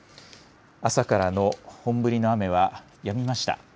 朝からの本降りの雨はやみました。